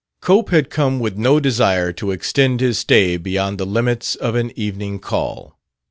Cope had come with no desire to extend his stay beyond the limits of an evening call.